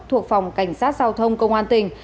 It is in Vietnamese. thuộc phòng cảnh sát giao thông công an tỉnh